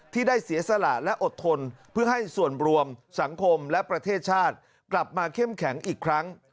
ที่ได้เสียสละและอดทนเพื่อให้ส่วนรวมสังคมและประเทศชาติกลับมาเข้มแข็งอีกครั้ง